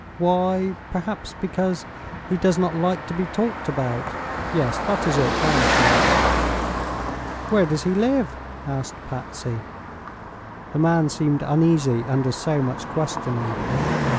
Why? Perhaps because he does not like to be talked about. Yes; that is it, I am sure." "Where does he live?" asked Patsy. The man seemed uneasy under so much questioning.